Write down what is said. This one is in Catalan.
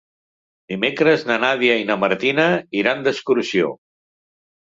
Dimecres na Nàdia i na Martina iran d'excursió.